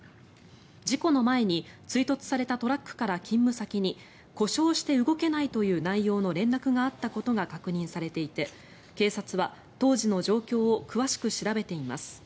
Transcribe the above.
事故の前に追突されたトラックから勤務先に故障して動けないという内容の連絡があったことが確認されていて、警察は当時の状況を詳しく調べています。